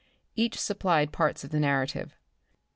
Each supplied parts of the narrative.